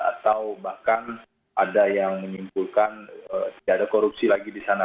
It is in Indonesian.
atau bahkan ada yang menyimpulkan tidak ada korupsi lagi di sana